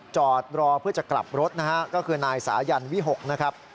จอดรอเพื่อจะกลับรถนะฮะก็คือนายสายันวิหกนะครับ